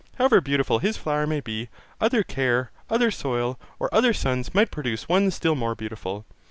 However beautiful his flower may be, other care, other soil, or other suns, might produce one still more beautiful.